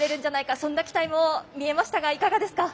そんな期待も見えましたがいかがですか？